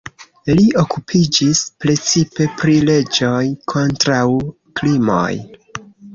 Li okupiĝis precipe pri leĝoj kontraŭ krimoj.